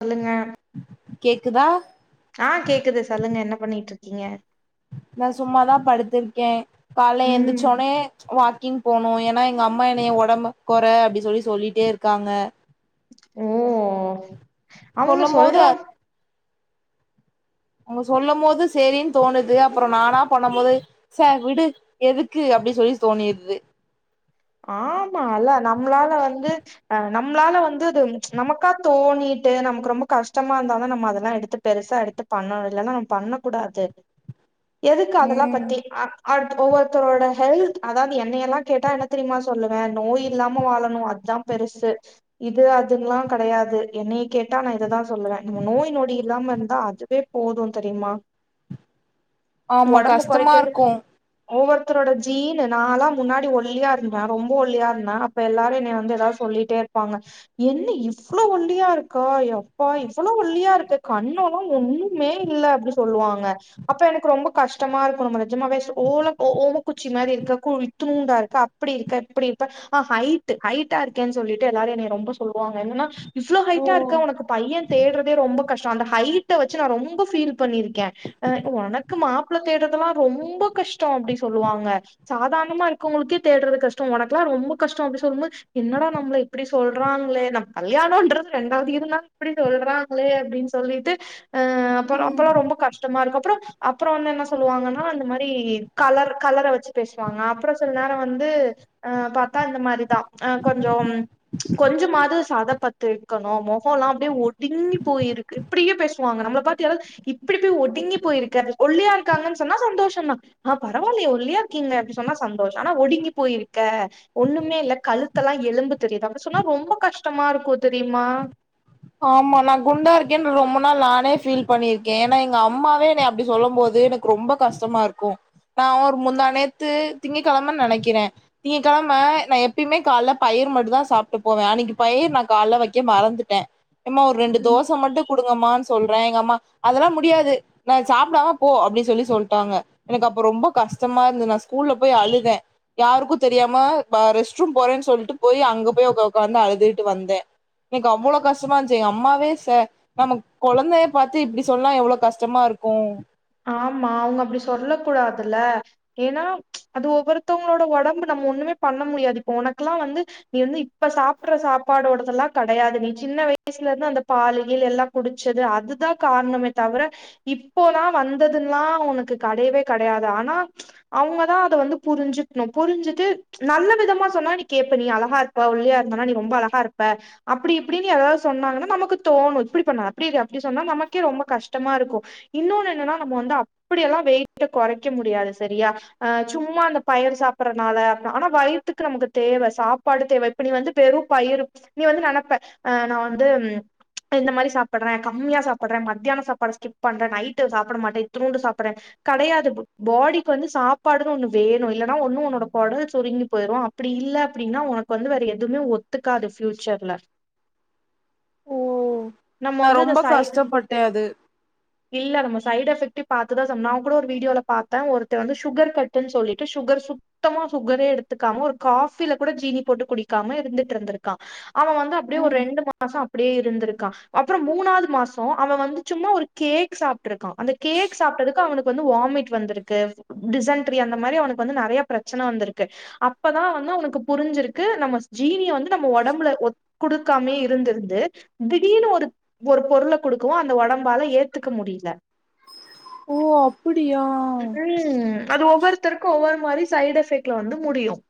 சொல்லுங்க கேக்குதா ஆ கேக்குது சொல்லுங்க என்ன பண்ணிட்றிக்கீங்க நா சும்மாதா படுத்திர்க்கே கால்ல ம் எந்திரிசோனே வாக்கிங் போனு ஏனா எங்க அம்மா என்னைய ஒடம்ப கொற அப்டி சொல்லி சொல்லிட்டே இருக்காங்க ஊ வோ அவுங்க சொல்லும் போது சொல்ட்றா அவுங்க சொல்லு போது சேரின் தோணுது அப்றோ நானா பண்ணோபோது ச விடு எதுக்கு அப்டி சொல்லி தோணிற்து ஆமா ல்ல நம்மளால வந்து அ நம்மளால வந்து அது நமக்கா தோணிட்டு நமக்கு ரொம்ப கஷ்டமா இருந்தா தா நம்ம அதெல்லா எடுத்து பெருசா எடுத்து பண்ணணு இல்லன்னா நம்ம பண்ண கூடாது எதுக்கு அதுல்லா ம் பத்தி அ அடுத் ஒவ்வொருத்ரோட ஹெல்த் அதாவது என்னெயேல்லா கேட்டா எனக் தெரிமா சொல்லுவே நோய் இல்லாம வாழணு அதா பெருசு இது அதுன்லா கெடையாது என்னய கேட்டா நா இததா சொல்லுவே இந்த நோய் நொடி இல்லாம இருந்தா அதுவே போது தெரிமா ஆமா ஒடம்ப கஷ்டமா கொறைக்றதுக்கு இருக்கு ஒவ்வொருத்தரோட ஜீனு நாலா முன்னாடி ஒல்லியா இரு நா ரொம்போ ஒல்லியா இருந்தே அப்ப எல்லாரு எனய வந்து ஏதாது சொல்லிட்டே இருப்பாங்க என்ன இவ்ளோ ஒல்லியா இருக்கா எப்பா இவ்வளோ ஒல்லியா இருக்க கண்ணோலா ஒண்ணு மே இல்ல அப்டி சொல்லுவாங்க அப்போ எனக்கு ரொம்ப கஷ்டமா இருக்கு நம்ம நெஜமாவே சொ ஓல ஓ ஓமக்குச்சி மாரி இருக்க கு இத்துணூண்டா இருக்க அப்டி இருக்க இப்டி இருப்ப ஆ ஹைட்டு ஹைட்டா இருக்கேன் சொல்லிட்டு எல்லாரு என்ன ரொம்ப சொல்லுவாங்க என்னனா இவ்வளோ ஓ ஹைட்டா இருக்க ஒனக்கு பையே தேட்றதே ரொம்ப கஷ்டோ அந்த ஹைட்ட வச்சு நா ரொம்ப ஃபீல் பண்ணிருக்கே அ ஒனக்கு மாப்ள தேட்றதல்லா ரொம்ப கஷ்டோ அப்டி சொல்லுவாங்க சாதாணமா இருக்கவுங்களுக்கே தேட்றது கஷ்டோ ஒனக்ல்லா ரொம்போ கஷ்டோ அப்டி சொல்லுபோது என்னடா நம்மள இப்டி சொல்றாங்ளே நம் கல்யாணோன்றது ரெண்டாவது இருந்தாலு இப்டி சொல்றாங் களே அப்டின் சொல்லிட்டு அ அப்பறோ ம் அப்பல்லா ரொம்ப கஷ் டமா இருக்கு அப்பறோ அப்பறோ வந்து என்ன சொல்லுவாங்கனா இந்த மாரி கலர் கலர வச்சு பேசுவாங்க அப்றோ சில நேரோ வந்து அ பாத்தா இந்த மாரிதா அ கொஞ்சோ கொஞ்சமாது சத பத்து இருக்கணு மொகோலா அப்டியே ஒடுங்கி போயிருக்கு இப்டியே பேசுவாங்க நம்மள பாத்து யாராது இப்டி போய் ஒடுங்கி போய்ருக்க ஒல்லியா இருக்காங்கன் சொன்னா சந்தோஷந் தா ஆ பரவால்லயே ஒல்லியா இருக்கீங்க அப்டி சொன்னா சந்தோஷோ ஆனா ஒடுங்கி போயிருக்க ஒண்ணுமே இல்ல கழுத் த்தலா எலும்பு தெரிது அப்டி சொன்னா ரொம்ப கஷ்டமாருக்கு தெரியுமா ஆமா நா குண்டா இருக்கேன் ரொம்ப நாள் நானே ஃபீல் பண்ணிருக்கே ஏனா எங்க அம்மாவே எனைய அப்டி சொல்லம் போது எனக் கு ரொம்ப கஷ்டமா இருக்கு நா ஒரு முந்தா நேத்து திங்க கெழமன் நெனைக்கிறே திங்க கெழம நா எப்யுமே காலேல பயர் மட்டுந் தா சாப்ட்டு போவே அன்னைக்கு பயர் நா கால்ல வக்க மறந்துட்டே எம்மா ஒரு ரெண்டு தோச மட்டு குடுங்கமானு சொல்றே எங்க அம்மா அதல்லா முடியாது நா சாப்டாம போ அப்டி சொல்லி சொல்ட்டாங்க எனக்கு அப்போ ரொம்ப கஷ்டமா இருந்தது நா ஸ்கூல்ல போய் அழுதே யாருக்கு தெரியாம வ ரெஸ்ட் ரூம் போறேன் சொல்ட்டு போய் அங்க போய் உ உக்காந்து அழுதுகிட்டு வந்தே எனக் அவ்வளோ கஷ் கஷ்டமா இருன்ச்சு எங்க அம்மாவே ச நம கொழந்தய பாத்து இப்டி சொன்னா எவ்வளோ கஷ்டமாருக்கு ஆமா அவுங்க அப்டி சொல்ல கூடாதுல ஏனா அது ஒவ்வொருத்தவ்ங்களோட ஒடம்பு நம்ம ஒண்ணுமே பண்ண முடியாது இப்ப ஒனக்லா வந்து நீ வந்து இப்ப சாப்புற்ற சாப்பாடோடதல்லா கெடையாது நீ சின்ன வயசுல இருந்து அந்த பாலு கீழு எல்லா குடுச்சது அதுதா காரணமே தவிர இப்போல்லா வந்ததுன்லா உனக்கு கெடையவே கெடையாது ஆனா அவுங்கதா அத வந்து புருஞ்சுக்ணு புருஞ்சுது நல்ல விதமா சொன்னா நீ கேப்ப நீ அழகா இருப்ப ஒல்லியா இருந்தனா நீ ரொம்ப அழகா இருப்ப அப்டி இப்டின் ஏதாவது சொன்னாங்கனா நமக்கு தோணு இப்டி பண்ணு அப்டி இரு அப்டி சொன்னா நமக்கே ரொம்ப கஷ்டமா இருக்கு இன்னோன்னு என்னனா நம்ம வந்து அப்டியெல்லா வெயிட்ட கொறைக்க முடியாது சரியா ஆ சும்மா அந்த பயர் சாப்பற்றனால அப்பிலா ஆனா வயித்துக்கு நமக்கு தேவ சாப்பாடு தேவ இப்ப நீ வந்து வெறு பயிரு நீ வந்து நெனப்ப ஆ நா வந்து இந்த மாரி சாப்பற்றே கம்மியா சாப்பற்றே மத்யான சாப்பாட சிகிப் பண்றே நைட்டு சாப்ட மாட்டே இத்துனோண்டு சாப்புற்றே கெடையாது பாடிக்கு வந்து சாப்பாடுன் ஒண்ணு வேணு இல்லனா ஒண்ணு உன்னோட கொடல் சுருங்கி போயிறு அப் அப்டி இல்ல அப்டினா உனக்கு வந்து வேற எதுமே ஒத்துக்காது ஃபியூச்சர்ல [inaudible] நம்ம நா வந்து ரொம்ப இந்த சை கஷ்டப்பட்டே அது இல்ல நம்ம சைட் எஃபெக்ட்டு பாத்துதா சம் நா கூட ஒரு வீடியோல பாத்தே ஒருத்தெ வந்து சுகர் கட்டுன்னு சொல்லிட்டு சுகர் சு சுத்தமா சுகரே எடுத்துக்காம ஒரு காஃபில கூட ஜீனி போட்டு குடிக்காம இருந்துட் இருந்திருக்கா அவெ வந்து அப்டியே ஒரு ம் ரெண்டு மாசோ அப்டியே இருந்திருக்கா அப்பறோ மூணாவது மாசோ அவெ வந்து சும்மா ஒரு கே க் சாப்பிட்ருக்கா அந்த கேக் சாப்டதுக்கு அவனுக்கு வந்து வாமிட் வந்துருக்கு டிசன்ட்ரி அந்த மாரி அவனுக்கு வந்து நெறைய பிரச்சன வந்திருக்கு அப்பதான் வந்து அவுங்களுக்கு புரிஞ்சிருக்கு நம்ம ஜீனிய வந்து நம்ம உடம்புல ஒ குடுக்காமே இருந்திருந்து திடீர்னு ஒரு ஒரு பொருளை குடுக்கவும் அந்த உடம்பால ஏ த்துக்க முடில ஓ அப்டியா ம் அது ஒவ்வொருத்தருக்கும் ஒவ்வொரு மாரி சைட் எஃபெக்ட்ல வந்து முடியும்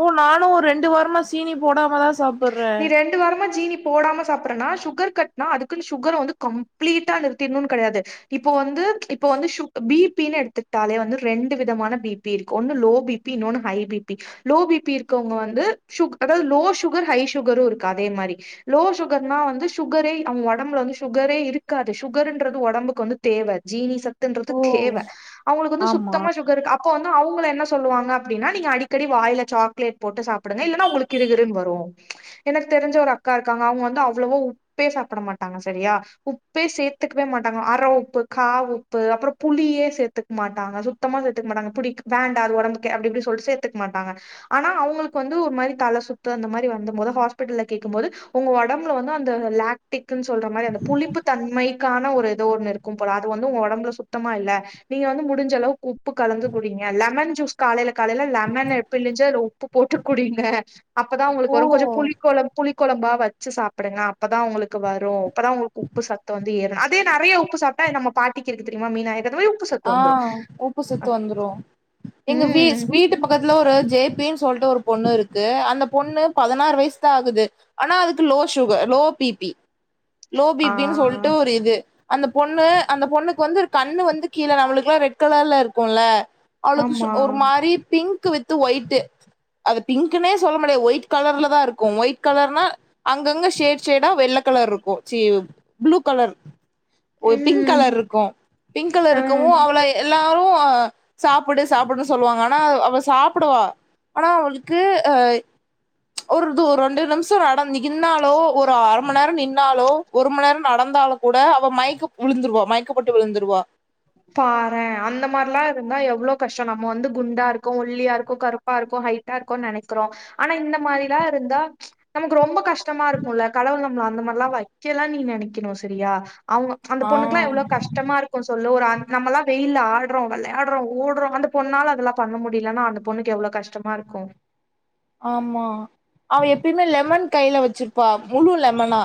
ஓ நானும் ஒரு ரெண்டு வாரமா சீனி போடாமதான் சாப்பிடுறேன் ரண்டு‌வாரமா ஜீனி போடாம சாப்பறனா சுகர் கட்நா அதுகுனு சுகர் வந்து கம்ளீட்டா நிறுத்தும்னு கிடையாது இப்போ வந்து இப்போ வந்து சு பிபினு எடுத்துட்டாலே வந்து ரெண்டு விதமான பி பி இருக்கு ஒன்னு லோ பிபி இன்னொன்னு ஹை பிபி லோ பிபி இருக்கவங்க வந்து சு அதாவது லோ சுகர் சு ஹை சுகரும் இருக்கு அதே மாரி லோ சுகர்னா வந்து சுகரே அவங்க உடம்புல வந்து சுகரே இருக்காது சுகர்ன்றது உடம்புக்கு வந்து தேவ ஜீனி சத்துன்றது ஓ தேவ அவங்களுக்கு வந்து ஆமா சுத்தமா சு கர் அப்ப வந்து அவங்க என்ன சொல்லுவாங்க அப்படின்னா நீங்க அடிக்கடி வாயில சாக்லேட் போட்டு சாப்பிடுங்க இல்லனா உங்களுக்கு கிரு கிருன்னு வரும் எனக்கு தெரிஞ்ச ஒரு அக்கா இருக்காங்க அவங்க வந்து அவ்ளவோ உப்பே சாப்பிட மாட்டாங்க சரியா உப்பே சேர்த்துக்கவே மாட்டாங்க அற உப்பு கா உப்பு அப்புறம் புளியே சேர்த்துக்க மாட்டாங்க சுத்தமா சேர்த்துக்க மாட்டாங்க புடி வேண்ட அது உடம்புக்கு அப்டி இப்டி சொல்லிட்டு சேர்த்துக்க மாட்டாங்க ஆனா அவங்களுக்கு வந்து ஒரு மாரி தலை சுத்து அந்த மாரி வ வந்த போது ஹாஸ்பிட்டல்ல கேக்கும் போது உங்க உடம்பு வந்து அந்த லாக்டிக் சொல்ற மாரி அந்த புளிப்பு தன்மைக்கான ஒரு ஏதோ ஒன்று இருக்கும் போல அது வந்து உங்க உடம்புல சுத்தமா இல்ல நீங்க வந்து முடிஞ்ச அளவுக்கு உப்பு கலந்து குடிங்க லெமன் ஜூஸ் காலையில காலையில லெமன் புளிஞ்சி உப்பு போட்டு குடிங்க அப்பதான் உங்களுக்கு ஓ வ கொஞ்சம் புளிக்கொளம் புளிகொழம்பா வச்சு சாப்பிடுங்க அப்பதான் உங்களுக்கு வரும் அப்பதான் உங்களுக்கு உப்பு சத்து வந்து ஏறும் அதே நிறைய உப்பு சாப் ட்டா நம்ம பாட்டிக்கு இருக்கு தெரியுமா மீனாயாக்கு அத மாரி உப்பு சத்து ஆ வந்துரு உப்பு சத்து வந்துரும் எங்க வீ ம் வீட்டு பக்க த்துல ஒரு ஜேபேனு சொல்ட்டு ஒரு பொண்ணு இருக்கு அந்த பொண்ணு பதினாறு வயசு தான் ஆகுது ஆனா அதுக்கு லோ சுகர் லோ பிபி ஆ லோபிபினு சொல்ட்டு ஒரு இது அந்த பொண்ணு அந்த பொண்ணுக்கு வந்து ஒரு கண்ணு வந்து கீழ நம்மளுக்கெல்லாம் ரெட் கலர்ல இருக்கும்ல அவளுக்கு ஆமா ஒரு மாரி பிங்க் வித் ஒய்ட் அது பிங்க்னே சொல்ல முடியாது ஒயிட் கலர்ல தான் இருக்கும் ஒயிட் கலர்னா அங்கங்க ஷேர் சேடா வெள்ள கலர் இருக்கும் சி ப்ளூ கலர் ஒரு பிங்க் ம் கலர் இருக்கும் பிங்க் கலர்க் க்கவு ஆ அவள எல்லாரும் அ சாப்புடு சாப்புடுனு சொல்லுவாங்க ஆனா அவ சாப்புடுவா ஆனா அவளுக்கு அ ஒருரு து ரெண்டு நிமிசோ நடந் நின்னாலோ ஒரு அர மண்நேரம் நின்னாலோ ஒரு மண் நேரம் நடந்தாலும் கூட அவ மயகப் உழுந்துடுவா மயக்கம் போட்டு விழுந்துடுவா பாற அந்த மாரிலா இருந்தா எவ்ளோ கஷ்டம் நம்ம வந்து குண்டா ருக்கோ ஒல்லியா ருக்கோ கருப் பா ருக்கோ ஹைட்டா இருக்கோனு நனைக்றோ ஆனா இந்த மாரிலா இருந்தா நமக் ரொம்ப கஷ்ட் ட்டமா இருக்குல்ல கடவுள் நம்ள அந்த மாரிலா வைக்கல நீ நனைக்கணு சரியா அவுங் அந்த ஆ பொண்ணுகெலாம் எவ்ளோ கஷ்டமாருக்கு சொல்லு ஒரு அ நம்ளாம் வெயில்ல ஆட்றோம் விளையாடுறோ ஓட்றோ அந்த பொண்ணால அதெல்லா பண்ண முடிலன்னா அந்த பொண்ணுக்கு எவ்ளோ கஷ்டமாருக்கும் ஆமா அவ எப்பியுமே லெமன் கைல வச்சிருப் ப்பா முழு லெமனா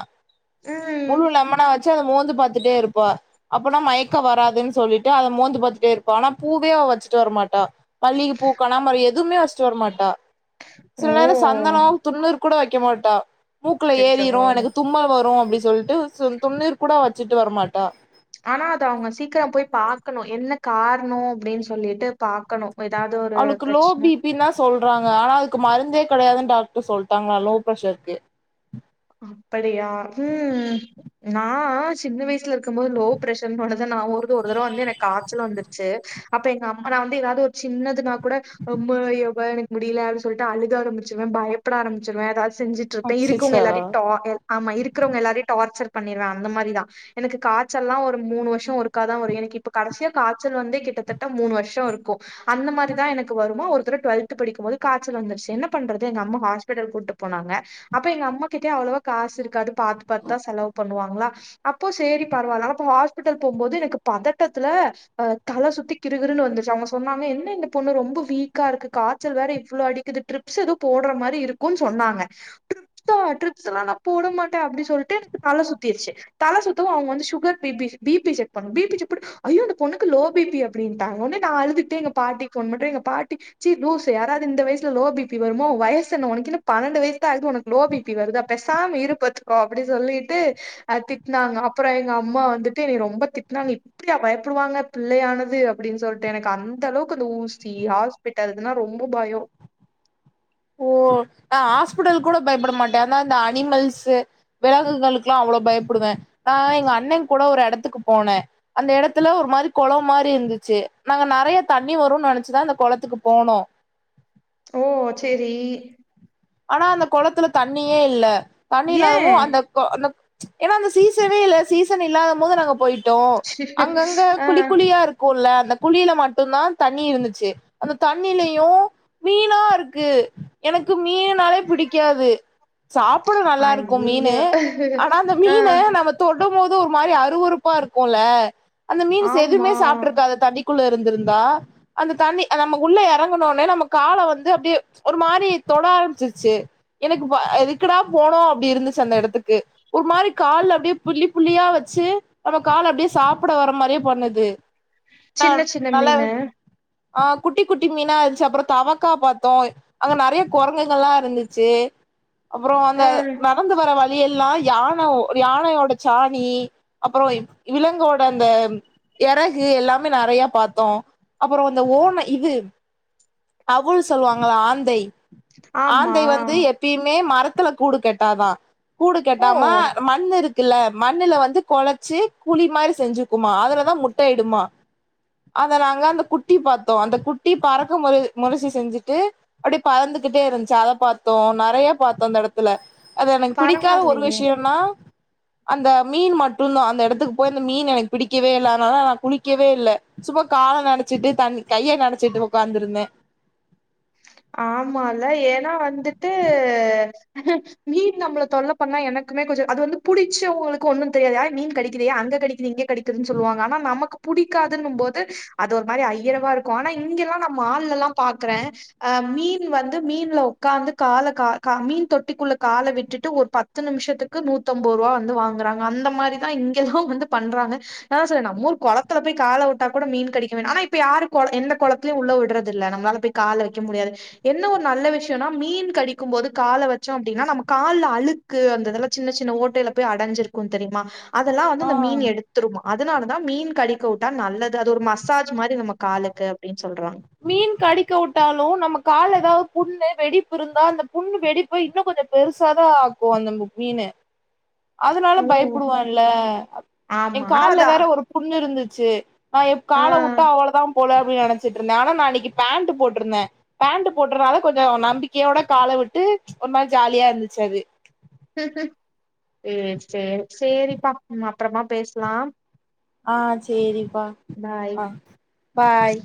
ம் முழு லெமனா வச்சு அத மோந்து பாத்துடே இருப்பா அப்பனா மயக்க வராதுன் சொல்லிட்டு அத மோந்து பாத்துட்டேருப்பா ஆனா பூவே அவ வச்சிட்டு வரமாட்டா மல்லிகு பூ கணாபரம் எதுவுமே வச்சிட்டு வரமாட்டா ஓ சில நேரம் சந்தனம் துண்ணூறு கூட வைக்க மாட்டா மூக்குல அச்சச்சோ ஏறிரு எனக்கு தும்மல் வரு அப்டி சொல்ட்டு துண்ணீர் கூட வச்சிட்டு வரமாட்டா ஆனா அத அவங்க சீக்கரோ போய் பாக்கணு என்ன காரணோ அப்டின் சொல்லிட்டு பாக்கணு எதாவது ஒரு அவளுக்கு லோ பிரச்சன பீப் பின்தா சொல்றாங்க ஆனா அதுக்கு மருந்தே கெடையாதுன் டாக்டர் சொல்டாங்கலா லோ பிரெஷ்ர்க்கு அப்படியா ம் நா சின்ன வயசுல இருக்கும் போது லோ பிர்ரெஷர்ன்ன ஒன்னதா நா ஒருது ஒரு தரவ வந்து எனக் காச்சல் வந்துருச் சி அப்ப எங்க அம்மா நா வந்து எதாது ஒரு சின்னதுனா கூட அம்மா யப்பா எனக்கு முடியல அப்டி சொல்ட்டு அழுக ஆரம்பிச்சிருவே பயப்பட ஆரபிச்சிருவே ஏதாது செஞ்சிட் ருப்பே இருக்கவங்க அச்சச்சோ எல்லாரையு டா எல் ஆமா இருக்குறவங்க எல்லாரையு டார்ச்சர் பண்ணிருவே அந்த மாரி தா எனக்கு காச்சல்லா ஒரு மூணு வருஷோ ஒருக்கா தா வரு எனக்கு இப்ப கடசியா காய்ச்சல் வந்தே கிட்டதட்ட மூணு வருஷோ இருக்கு அந்த மாரிதா எனக்கு வருமா ஒருதர டுவல்த்து படிக்கும் போது காச்சல் வந்துருச்சி என்ன பண்றது எங்க அம்மா ஹாஸ்பிட்டல் கூட்டு போனாங்க அப்ப எங்க அம்மா கிட்டயு அவ்ளவா காசு இருக்காது பாத்து பாத்துதா செலவு பண்ணுவாங்ளா அப்போ சேரி பரவால்ல நம்ம அப்ப ஹாஸ்பிட்டல் போம்போது எனக்கு பதட்டத்துல ஆ தல சுத்தி கிரு கிருன்னு வந்துருச்சி அவுங்க சொன்னாங்க என்ன இந்த பொண்ணு ரொம்ப வீக்கா இருக்கு காச்சல் வேற இவ்ளோ அடிக்குது ட்ரிப் ஸ் எது போட்ற மாரி இருக்குன் சொன்னாங்க நா ட்ரிப்ஸ் எல்லா நா போட மாட்டே அப்டி சொல்ட்டு எனக்கு தல சுத்தீர்ச்சி தல சுத்தவு அவுங்க வந்து சுகர் பிபி பிபி செக் பண்ணனு பிபி செக் பண்ட்டு ஐயோ இந்த பொண்ணுக்கு லோ பிபி அப்டின்டாங்க ஒன்னே நா அழுதுட்டே எங்க பாட்டிக்கி ஃபோன் போட்டு எங்க பாட்டி ச்சி லூசு யாராது இந்த வயசுல லோ பிபி வருமோ வயசென்ன உனக்கென்ன பன்னெண்டு வயஸ்தா ஆகுது உனக் லோ பிபி வருதா பெசாம இரு பாத்துகோ அப்டி சொல்லிட்டு அது திட்னாங்க அப்பறோ எங்க அம்மா வந்துட்டு எனைய ரொம்ப திட்னாங்க இப் டியா பயப்படுவாங்க பிள்ளையானது அப்டின் சொல்ட்டு எனக்கு அந்தளவுக்கு இந்த ஊசி ஹாஸ் பிட்டல் இதுனா ரொம்ப பயோ ஓ நா ஹாஸ்பிட்டல் கூட பயப்பட மாட்டே ஆனா இந்த அனிமல்ஸ்சு வெலகுகளுக்லா அவ்ளோ பயப்படுவே நா எங்க அண்ணே கூட ஒரு எடத்துக்கு போனே அந்த எடத்துல ஒரு மாரி கொளம் மாரி இருந்துச்சி நாங்க நெறையா தண்ணி வருன் நெனச்சி தா அந்த கொளத்துக்கு போனோ ஓ சேரி ஆனா அந்த கொளத்துல தண்ணியே இல்ல தண்ணி இல்லாதமு ஏ அந்த கோ அந்தக் ஏன்னா அந்த சீசனே இல்ல சீசன் இல்லாதம் போது நாங்க போயிட் டோ அங்கங்க ஆ குழி குழியா இருக் குல்ல அந்த குழில மட்டுந்தா தண்ணி இருந்திச்சி அந்த தண்ணிலயு மீனா இருக்கு எனக்கு மீன் னாலே பிடிக்காது சாப்ட நல்லா இருக்கு மீனு ஐய்யய்யோ ஆனா அந்த ஆ மீன நம்ம தொடும்போது ஒரு மாரி அருவறுப்பா இருக்குல்ல அந்த மீன்ஸ் எதுமே ஆமா சாப்ட்ருக்காது தண்ணிக் குள்ள இருந்திருந்தா அந்த தண்ணி நம்ம உள்ள எறங்குன ஒன்னே நம்ம கால வந்து அப்டியே ஒரு மாரி தொட ஆரம்பிச்சிருச்சி எனக்கு ப எதுக்குடா போனோ அப்டி இருந்துச்சி அந்த எடத்துக்கு ஒரு மாரி கால்ல அப்டியே புள்ளி புள்ளியா வச்சி நம்ம கால அப்டியே சாப்ட வர்ற மாரியே பண்ணுது ஆ சின்ன சின்ன நல்ல மீனு ஆ குட்டி குட்டி மீனா இருந்துச்சி அப்பறோ தவக்கா பாத்தோ அங்க நெறைய கொரங்குகள்லா இருந்துச்சி அப்பறோ அந்த ஆ நடந்து வர்ற வழி யெல்லா யானை யானையோட சாணி அப்பறோ விலங்கோட அந்த எறகு எல்லாமே நெறையா பாத்தோ அப்பறோ இந்த ஓன இது அவுள் சொல்லுவாங்கல்ல ஆந்தை ஆமா ஆந்தை வந்து எப்பயுமே மரத்துல கூடு கெட்டாதா கூடு ஓ கெட்டாம மண் இருக் குல்ல மண்ணுல வந்து கொலச்சி குழி மாரி செஞ்சுக்குமா அதுலதா முட்டயிடுமா அத நாங்க அந்த குட்டி பாத்தோ அந்த குட்டி பறக்க மு- முறச்சி செஞ்சுட்டு அப்டியே பறந்துகிட்டே இருந்துச்சு அத பாத்தோ நெறைய பாத்தோ அந்த எடத்துல அது எனக்கு பிடிக்காத ஒரு பரவால்லையே விஷியோனா அந்த மீன் மட்டுதா அந்த எடத்துக்கு போய் அந்த மீன் எனக்கு பிடிக்கவே இல்ல அதுனால நா குளிக்கவே இல்ல சும்மா கால நெனைச்சிட்டு தண் கைய நெனைச்சிட்டு உட்காந்துருந்தே ஆமால ஏனா வந்துட்டு மீன் நம்பள தொல்ல பண்ணா எனக்குமே கொஞ்சோ அது வந்து புடிச்சவங்களுக்கு ஒன்னு தெரியாது ஆ மீன் கடிக்குதே அங்க கடிக்குது இங்க கடிக் குதுன்னு சொல்லுவாங்க ஆனா நமக்கு பிடிக்காதுன்னும்போது அது ஒரு மாரி ஐயர்வா இருக்கு ஆனா இங்கலா நா மால்லலா பாக்குற மீன் வந்து மீன்ல உக்காந்து கால கால மீன் தொட்டிக்குள்ள கால விட்டுட்டு ஒரு பத் பத்து நிமிஷத்துக்கு நூத்தம்பது ரூபா வந்து வாங்குறாங்க அந்த மாரிதா இங்கெல்லா வந்து பண்றாங்க அதா சொல்லற நம்ம ஒரு கொளத்துல போய் கால உட்டா கூட மீன் கடிக்கவேனா ஆனா இப்ப யாரு கொ எந்த கொளத் துலயு உள்ள விடுறது இல்ல நம்பலால போய் கால வைக்க முடியாது என்ன ஒரு நல்ல விஷியோனா மீன் கடிக்கும்போது கால வச்சோ அப்டின்னா நம்ம கால்ல அழுக் க்கு அந்த இதெல்லா சின்ன சின்ன ஓட்டையில போய் அடஞ்சிருக்கு தெரியுமா அதெல்லா வந்து ஆ அந்த மீன் எடுத் திருமா அதுனாலதா மீன் கடிக்க விட்டா நல்லது அது ஒரு மசாஜ் மாரி நம்ம காலுக்கு அப்டின்னு சொல்றா மீன் கடிக்க வுட்டாலு நம்ம கால்ல எதாவுது புண்ணு வெடிப்புருந்தா அந்த புண்ணு வெடி ப்ப இன்னு கொஞ்சோ பெருசாதா ஆக்கு அந்த நம்ம மீனு அதுனால ஓ பயப்படுவான்ல ஏ ஆமா ஆனா கால்ல அதா வேற ஒரு புண்ணு இருந்துச்சு நா எப் ஆ கால வுட்டா அவ்ளோதா போல அப்டின்னு நெனச் ட்டு இருந்த ஆனா நா அன்னிக்கு பேண்ட் போட்ருந்த பேண்ட் போட்டற்றதுனால கொஞ்சோ நம்பிக்கையோட கால்ல விட்டு ஒரு மாரி ஜாலியா இருந்துச்சு அது சேரி சேரி சேரிப்பா நம்ம அப்றமா பேசலா ஆ சேரிப்பா பாய் ஆ பாய்